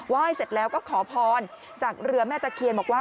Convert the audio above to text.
เสร็จแล้วก็ขอพรจากเรือแม่ตะเคียนบอกว่า